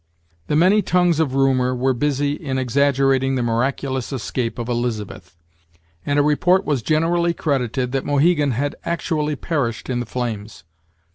The many tongues of rumor were busy in exaggerating the miraculous escape of Elizabeth; and a report was generally credited, that Mohegan had actually perished in the flames.